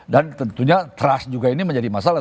dan tentunya trust juga ini menjadi masalah